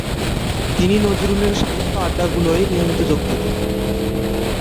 তিনি নজরুলের সাহিত্য আড্ডাগুলোয় নিয়মিত যোগ দিতেন।